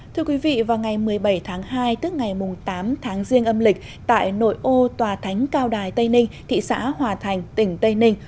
thưa quý vị vào ngày một mươi bảy tháng hai tức ngày tám tháng riêng âm lịch tại nội ô tòa thánh cao đài tây ninh thị xã hòa thành tỉnh tây ninh